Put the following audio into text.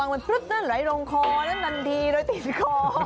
มันปลึ๊ดนั้นไหลลงคอนั่นทันทีเลยติดคอ